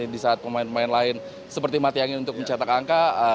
di saat pemain pemain lain seperti mati angin untuk mencetak angka